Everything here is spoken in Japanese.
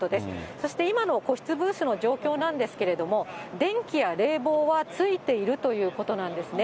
そして今の個室ブースの状況なんですけれども、電気や冷房はついているということなんですね。